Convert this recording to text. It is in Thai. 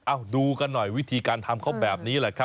ดูกันหน่อยวิธีการทำเขาแบบนี้แหละครับ